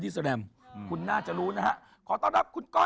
สวัสดีครับ